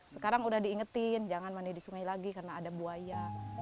sekarang udah diingetin jangan mandi di sungai lagi karena ada buaya